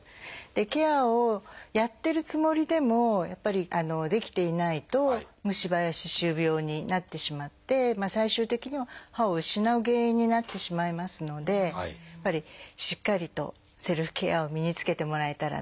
ケアをやってるつもりでもやっぱりできていないと虫歯や歯周病になってしまって最終的には歯を失う原因になってしまいますのでやっぱりしっかりとセルフケアを身につけてもらえたらなっていうのは。